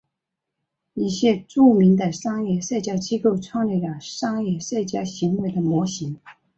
一些著名的商业社交机构创立了商业社交行为的模型。